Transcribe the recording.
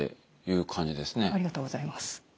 ありがとうございます。